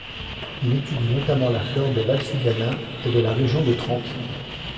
Il étudie notamment la flore de Valsugana et de la région de Trente.